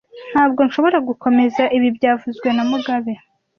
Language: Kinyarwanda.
Ntabwo nshobora gukomeza ibi byavuzwe na mugabe